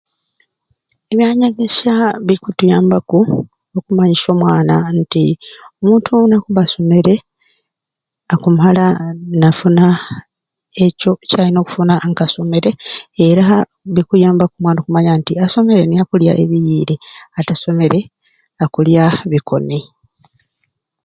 Ebyanyegesya bikutuyambaku okumanyisya omwana nti omuntu nakubba asomere akumala nafuna ekyo kyalina okufuna nga asomere era bikuyambaku omwana okumanya nti asomere niye akulya ebiyiire atasomere akulya bikone.